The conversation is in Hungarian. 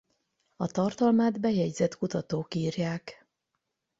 A tartalmát bejegyzett kutatók írják.